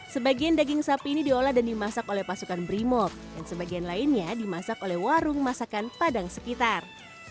sebagian daging sapi ini diolah dan dimasak oleh pasukan brimob dan sebagian lainnya dimasak oleh warung masakan padang sekitar